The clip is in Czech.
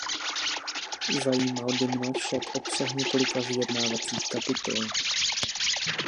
Zajímal by mne však obsah několika vyjednávacích kapitol.